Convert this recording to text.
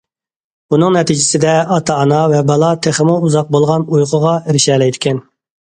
بۇنىڭ نەتىجىسىدە، ئاتا- ئانا ۋە بالا تېخىمۇ ئۇزاق بولغان ئۇيقۇغا ئېرىشەلەيدىكەن.